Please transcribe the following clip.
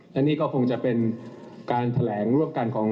และนี่ก็คงจะเป็นการแถลงร่วมกันของ